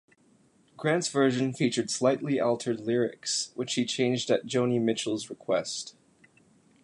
Grant's version featured slightly altered lyrics, which she changed at Joni Mitchell's request.